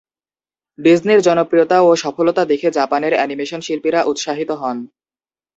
ডিজনির জনপ্রিয়তা ও সফলতা দেখে জাপানের অ্যানিমেশন শিল্পীরা উৎসাহিত হন।